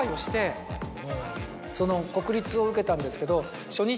国立を受けたんですけど。